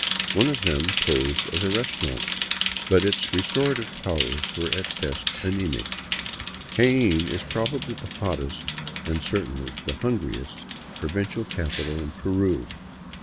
One of them posed as a restaurant, but its restorative powers were at best anemic. Jaen is probably the hottest, and certainly the hungriest, provincial capital in Peru.